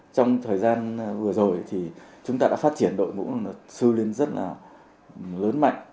trong thời gian vừa rồi chúng ta đã phát triển đội ngũ sư lên rất lớn mạnh